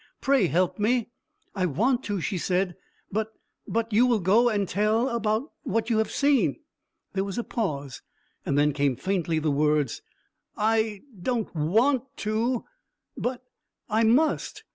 "Pray help me." "I want to," she said; "but but you will go and and tell about what you have seen." There was a pause, and then came faintly the words, "I don't want to; but I must."